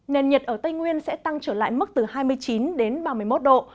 nền nhiệt ở tây nguyên sẽ tăng trở lại mức từ hai mươi chín đến ba mươi một độ